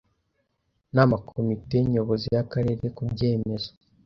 inama Komite Nyobozi y Akarere ku byemezo